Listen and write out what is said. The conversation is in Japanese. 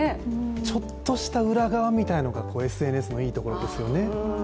ちょっとした裏側みたいなのがＳＮＳのいいところですよね。